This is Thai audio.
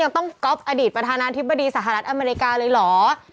ต้องก๊อฟอดีตประธานาธิบดีสหรัฐอเมริกาเลยเหรอ